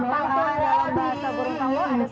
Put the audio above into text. bisa berlanjur terus